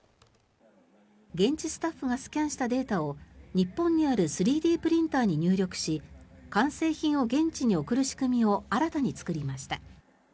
現地スタッフがスキャンしたデータを日本にある３Ｄプリンターに入力し完成品を現地に送る仕組みを新たに作りました。